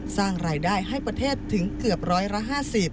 สร้างรายได้ให้ประเทศถึงเกือบร้อยละ๕๐